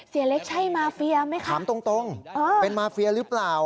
เสียเล็กใช่มาเฟียร์ไหมคะถามตรงตรงเออเป็นมาเฟียร์หรือเปล่า